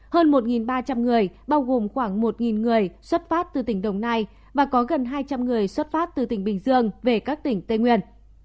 hơn một ba trăm linh người bao gồm khoảng một người xuất phát từ tỉnh đồng nai và có gần hai trăm linh người xuất phát từ tỉnh bình dương về các tỉnh tây nguyên